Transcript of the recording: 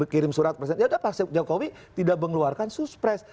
kirim surat presiden ya sudah pasti jokowi tidak mengeluarkan suspres